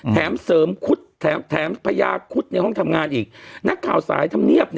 แถมเสริมคุดแถมพญาคุดในห้องทำงานอีกนักข่าวสายธรรมเนียบ